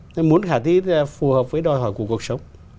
nên muốn khả thi thì phải phù hợp với đòi hỏi của cuộc sống